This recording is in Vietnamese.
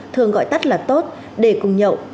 thường gọi tắt là tốt để cùng nhậu